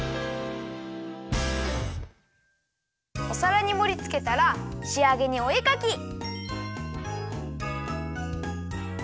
おさらにもりつけたらしあげにおえかき！